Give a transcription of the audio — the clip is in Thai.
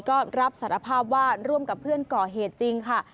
ก็รับสารภาพว่าร่วมกับเพื่อนก่อเหตุจริงค่ะ